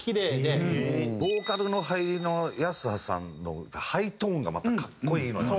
ボーカルの入りの泰葉さんのハイトーンがまた格好いいのよね。